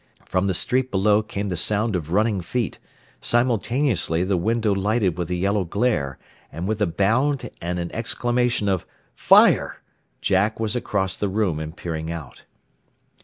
From the street below came the sound of running feet, simultaneously the window lighted with a yellow glare, and with a bound and an exclamation of "Fire!" Jack was across the room and peering out.